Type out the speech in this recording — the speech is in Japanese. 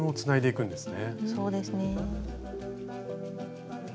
そうですね。